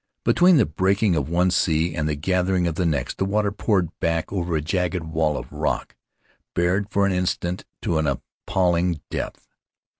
Between the breaking of one sea and the gathering of the next, the water poured back over a jagged wall of rock bared for an instant to an appalling depth.